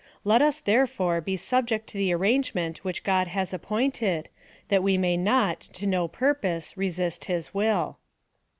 ^ Let us, therefore, be subject to the arrangement which God has appointed, that we may not, to no purpose, resist his will."